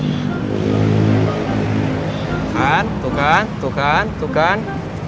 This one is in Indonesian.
tuh kan tuh kan tuh kan tuh kan